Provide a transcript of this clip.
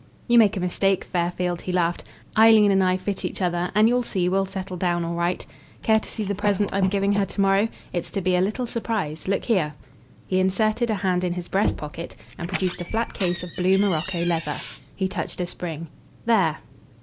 "You make a mistake, Fairfield," he laughed. "Eileen and I fit each other, and you'll see we'll settle down all right. Care to see the present I'm giving her to morrow? It's to be a little surprise. Look here!" He inserted a hand in his breast pocket and produced a flat case of blue Morocco leather. He touched a spring: "There!"